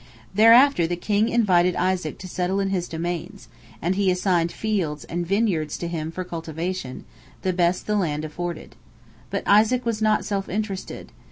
Thereafter the king invited Isaac to settle in his domains, and he assigned fields and vineyards to him for cultivation, the best the land afforded. But Isaac was not self interested.